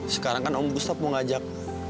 sekarang kan om bustop mau ngajak